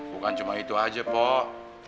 bukan cuma itu aja pok